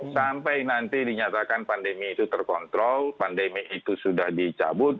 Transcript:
sampai nanti dinyatakan pandemi itu terkontrol pandemi itu sudah dicabut